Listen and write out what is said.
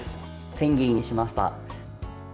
千切りにしました。